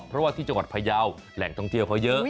เพราะว่าที่จังหวัดพยาวแหล่งท่องเที่ยวเขาเยอะ